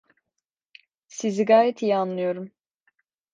Sizi gayet iyi anlıyorum.